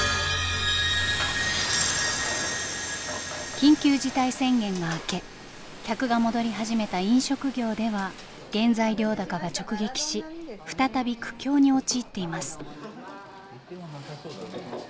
緊急事態宣言が明け客が戻り始めた飲食業では原材料高が直撃し再び苦境に陥っています。